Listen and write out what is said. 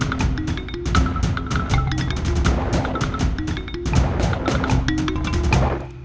indri seneng kok ma